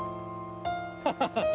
ハハハッ！